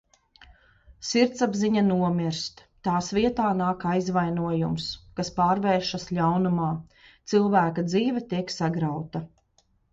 Sirdsapziņa nomirst, tās vietā nāk aizvainojums, kas pārvēršas ļaunumā. Cilvēka dzīve tiek sagrauta.